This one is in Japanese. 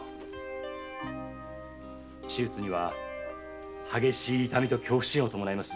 手術には激しい痛みと恐怖心が伴います。